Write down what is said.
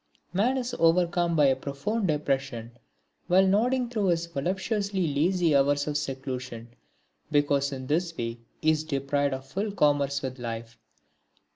Man is overcome by a profound depression while nodding through his voluptuously lazy hours of seclusion, because in this way he is deprived of full commerce with life.